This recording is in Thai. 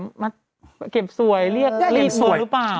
มาเก็บสวยเรียกสวยหรือเปล่า